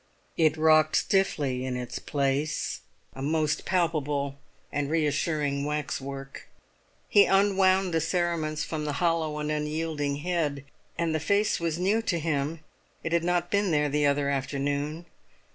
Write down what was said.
It rocked stiffly in its place, a most palpable and reassuring waxwork. He unwound the cerements from the hollow and unyielding head; and the face was new to him; it had not been there the other afternoon.